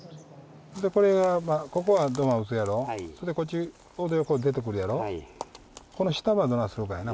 これがまあここは土間打つやろそんでこっち横出てくるやろこの下ばどないするかやな